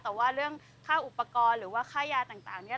แต่ว่าเรื่องค่าอุปกรณ์หรือว่าค่ายาต่างเนี่ย